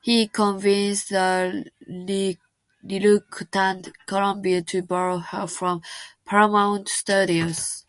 He convinced a reluctant Columbia to borrow her from Paramount Studios.